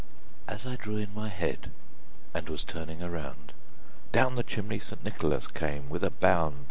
As I drew in my head, and was turning around, Down the chimney St. Nicholas came with a bound.